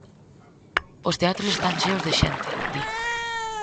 Os teatros están cheos de xente, di.